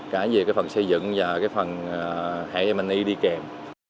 cả về phần xây dựng và phần hệ m e đi kèm